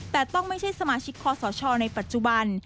แต่ต้องไม่ใช่สมาชิกคอสชในปัจจุบัน